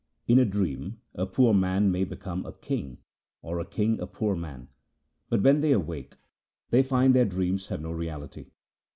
In a dream a poor man may become a king or a king a poor man, but when they awake they find their dreams have no reality.